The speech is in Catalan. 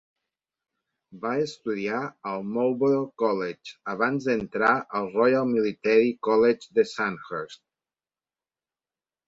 Va estudiar al Marlborough College abans d'entrar al Royal Military College de Sandhurst.